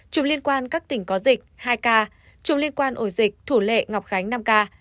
chủng liên quan đến các tỉnh có dịch hai ca chủng liên quan đến ổ dịch thủ lệ ngọc khánh năm ca